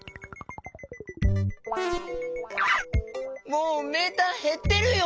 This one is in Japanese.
もうメーターへってるよ。